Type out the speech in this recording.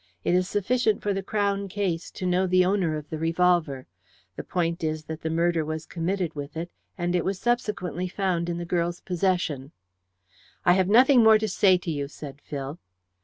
It is sufficient for the Crown case to know the owner of the revolver. The point is that the murder was committed with it, and it was subsequently found in the girl's possession." "I have nothing more to say to you," said Phil.